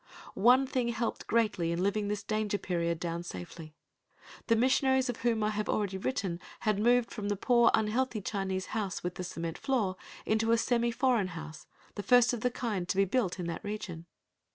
One thing helped greatly in living this danger period down safely. The missionaries of whom I have already written had moved from the poor, unhealthy Chinese house with the cement floor into a semi foreign house, the first of the kind to be built in that region.